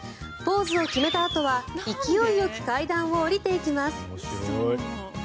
ポーズを決めたあとは勢いよく階段を下りていきます。